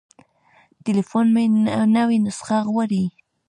تليفون مې نوې نسخه غواړي.